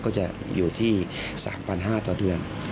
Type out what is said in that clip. ก็จะอยู่ที่๓๕๐๐ต่อเดือน